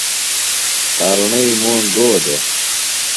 خارُݨئی موݨ گو دےۡ؟